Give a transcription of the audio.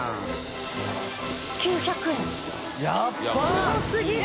すごすぎる。